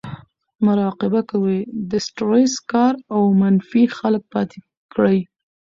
مراقبه کوي , د سټرېس کار او منفي خلک پاتې کړي